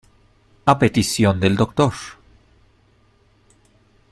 A petición del Dr.